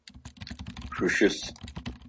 Шъущыс!